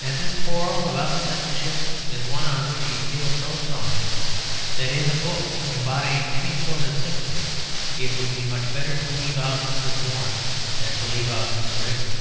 And this quarrel about the censorship is one on which he feels so strongly that in a book embodying any sort of sympathy it would be much better to leave out Mrs. Warren than to leave out Mr. Redford.